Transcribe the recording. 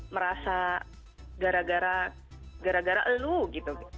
merasa gara gara lu gitu